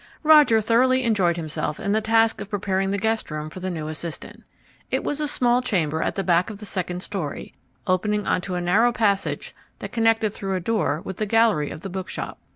Roger thoroughly enjoyed himself in the task of preparing the guest room for the new assistant. It was a small chamber at the back of the second storey, opening on to a narrow passage that connected through a door with the gallery of the bookshop.